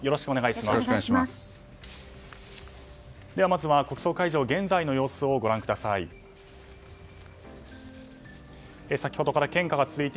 まずは国葬会場の現在の様子をご覧ください。